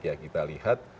ya kita lihat